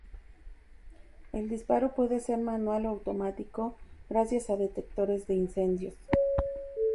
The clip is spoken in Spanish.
El disparo puede ser manual o automático gracias a detectores de incendios.